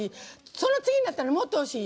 その次になったらもっとおいしい。